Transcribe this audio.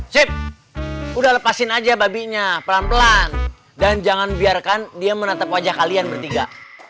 chip udah lepasin aja babinya pelan pelan dan jangan biarkan dia menatap wajah kalian bertiga